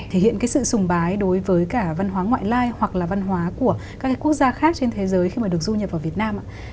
thể hiện cái sự sùng bái đối với cả văn hóa ngoại lai hoặc là văn hóa của các quốc gia khác trên thế giới khi mà được du nhập vào việt nam ạ